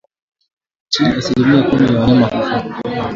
Chini ya asilimia kumi ya wanyama hufa